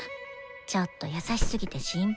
ちょっと優しすぎて心配。